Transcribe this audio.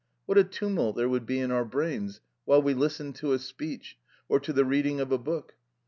What a tumult there would be in our brains while we listened to a speech, or to the reading of a book?